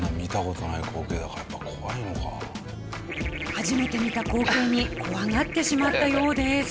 初めて見た光景に怖がってしまったようです。